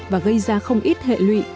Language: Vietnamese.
và gây ra không ít hệ lụy